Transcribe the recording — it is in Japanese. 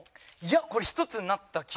これ一つになった気が。